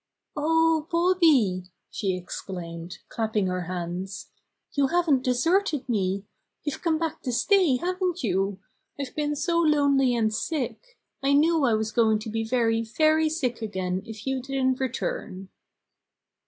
"Oh, Bobby," she exclaimed, clapping her hands, "you haven't deserted me! You've come back to stay, haven't you? I've been so lonely and sick! I knew I was going to be very, very sick again if you didn't return."